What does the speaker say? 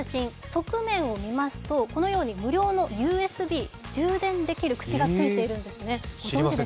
側面を見ますとこのように無料のＵＳＢ、充電できる口がついているんです。